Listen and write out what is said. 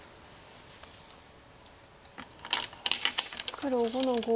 黒５の五。